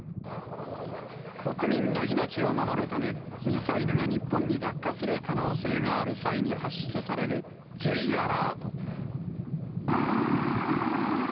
国民の命を守るため、ミサイルが日本に落下する可能性がある際に発出されるＪアラート。